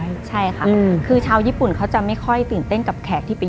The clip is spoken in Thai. ต้นไม้ใช่ค่ะคือเช่ายิปุ่นเขาจะไม่ค่อยตื่นเต้นกับแขกที่ไป